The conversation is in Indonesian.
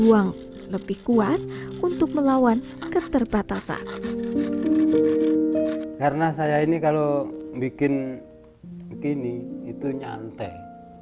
uang lebih kuat untuk melawan keterbatasan karena saya ini kalau bikin begini itu nyantai